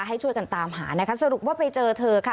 ให้ช่วยกันตามหานะคะสรุปว่าไปเจอเธอค่ะ